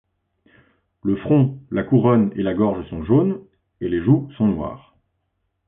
Le front, la couronne et la gorge sont jaunes et les joues sont noires.